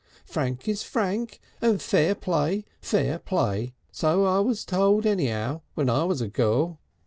Frank is frank, and fair play fair play; so I was told any'ow when I was a girl.